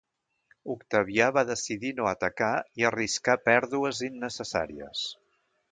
Octavià va decidir no atacar i arriscar pèrdues innecessàries.